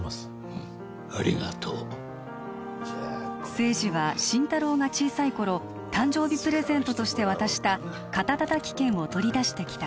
うんありがとう清二は心太朗が小さい頃誕生日プレゼントとして渡した肩たたき券を取り出してきた